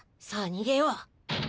さあにげよう。